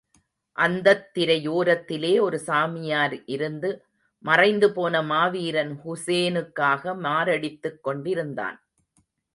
அந்தத் திரையோரத்திலே ஒரு சாமியார் இருந்து, மறைந்துபோன மாவீரன் ஹூசேனுக்காக மாரடித்துக் கொண்டிருந்தான்.